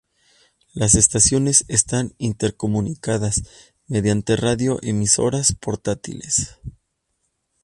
Las estaciones están intercomunicadas mediante radio-emisoras portátiles.